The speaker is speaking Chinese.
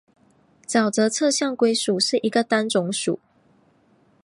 沼泽侧颈龟属是一个单种属。